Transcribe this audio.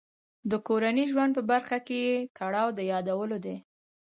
د کورني ژوند په برخه کې یې کړاو د یادولو دی.